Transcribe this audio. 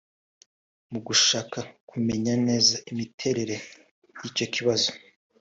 Mu gushaka kumenya neza imiterere y’icyo kibazo